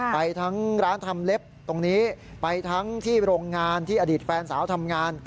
ไปทั้งร้านทำเล็บตรงนี้ไปทั้งที่โรงงานที่อดีตแฟนสาวทำงาน